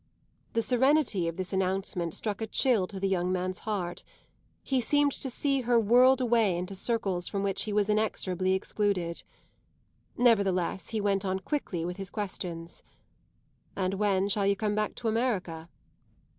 The serenity of this announcement struck a chill to the young man's heart; he seemed to see her whirled away into circles from which he was inexorably excluded. Nevertheless he went on quickly with his questions. "And when shall you come back to America?"